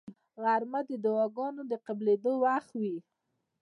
غرمه د دعاګانو د قبلېدو وخت وي